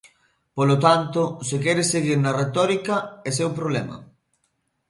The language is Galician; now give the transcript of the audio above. Polo tanto, se quere seguir na retórica, é seu problema.